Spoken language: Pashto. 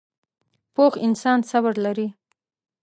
پوخ انسان صبر لري